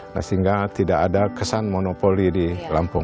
nah sehingga tidak ada kesan monopoli di lampung